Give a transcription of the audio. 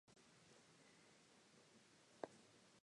“It’s only once in the bluest of blue moons,” he said.